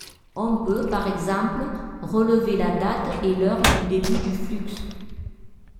On peut par exemple relever la date et l'heure du début du flux.